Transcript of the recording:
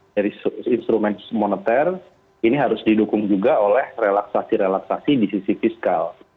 dari instrumen moneter ini harus didukung juga oleh relaksasi relaksasi di sisi fiskal